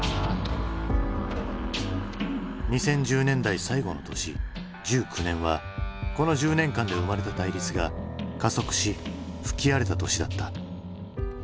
２０１０年代最後の年１９年はこの１０年間で生まれた対立が加速し吹き荒れた年だった。